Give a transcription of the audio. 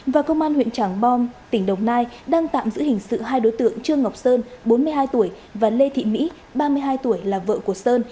và công an huyện tràng bom tỉnh đồng nai đang tạm giữ hình sự hai đối tượng trương ngọc sơn bốn mươi hai tuổi và lê thị mỹ ba mươi hai tuổi là vợ của sơn